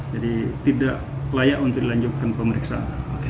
jadi tidak layak untuk dilanjutkan pemeriksaan